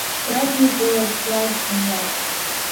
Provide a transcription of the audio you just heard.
Дидикыларц залшом иаб!